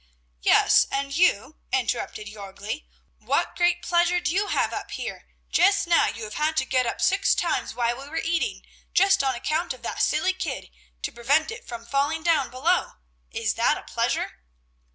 "Yes, and you," interrupted Jörgli, "what great pleasure do you have up here? Just now you have had to get up six times while we were eating, just on account of that silly kid, to prevent it from falling down below is that a pleasure?"